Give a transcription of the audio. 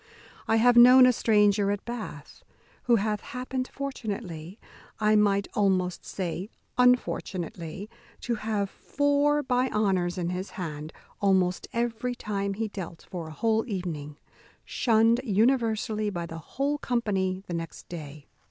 I have known a stranger at Bath, who hath happened fortunately (I might almost say unfortunately) to have four by honours in his hand almost every time he dealt for a whole evening, shunned universally by the whole company the next day.